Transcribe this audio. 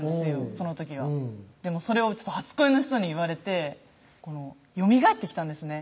その時はでもそれを初恋の人に言われてよみがえってきたんですね